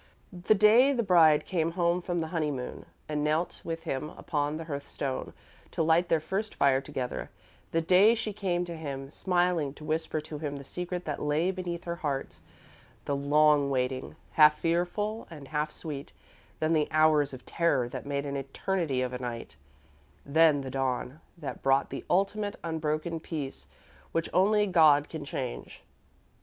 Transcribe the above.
The day the bride came home from the honeymoon, and knelt, with him, upon the hearth stone, to light their first fire together; the day she came to him, smiling, to whisper to him the secret that lay beneath her heart; the long waiting, half fearful and half sweet, then the hours of terror that made an eternity of a night, then the dawn, that brought the ultimate, unbroken peace which only God can change.